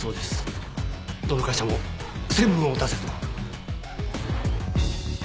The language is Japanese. どの会社も専務を出せと。